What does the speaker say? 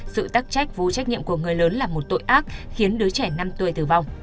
sự tắc trách vô trách nhiệm của người lớn là một tội ác khiến đứa trẻ năm tuổi tử vong